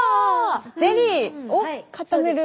ゼリーを固める。